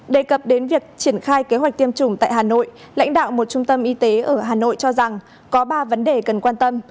đề cập đến việc triển khai kế hoạch tiêm chủng tại hà nội lãnh đạo một trung tâm y tế ở hà nội cho rằng có ba vấn đề cần quan tâm